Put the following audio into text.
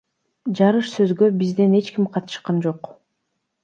Жарыш сөзгө бизден эч ким катышкан жок.